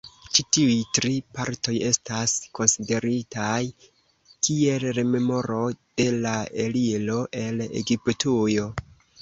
Ĉi tiuj tri partoj estas konsideritaj kiel rememoro de la eliro el Egiptujo.